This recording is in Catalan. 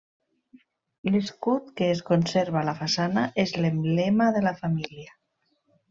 L'escut que es conserva a la façana és l'emblema de la família.